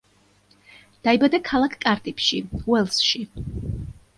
დაიბადა ქალაქ კარდიფში, უელსში.